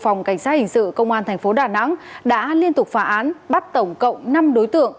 phòng cảnh sát hình sự công an thành phố đà nẵng đã liên tục phá án bắt tổng cộng năm đối tượng